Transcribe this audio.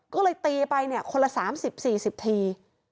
ก็เลยตีไปคนละ๓๐๔๐ที